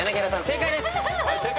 正解です。